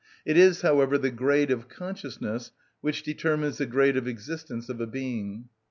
It is, however, the grade of consciousness which determines the grade of existence of a being.